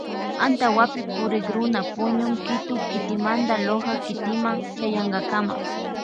Antawapi purikruna puñun Quito kitimanta Loja kitima chayankakama.